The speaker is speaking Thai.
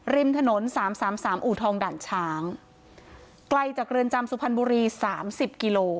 ริมถนนสามสามอู่ทองด่านช้างไกลจากเรือนจำสุพรรณบุรีสามสิบกิโล